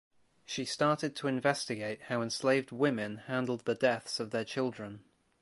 She started to investigate how enslaved women handled the deaths of their children.